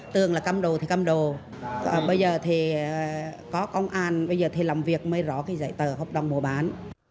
tường là cầm đồ thì cầm đồ bây giờ thì có công an bây giờ thì làm việc mới rõ cái giấy tờ hợp đồng mua bán